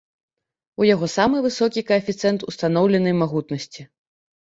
У яго самы высокі каэфіцыент устаноўленай магутнасці.